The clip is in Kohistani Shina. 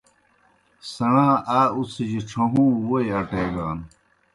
سیْݨا آ اُڅِھجیْ ڇھہُوں ووئی اٹیگان۔